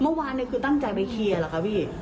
เมื่อวานคือตั้งใจไปเคลียร์เหรอคะพี่